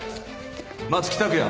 松木卓也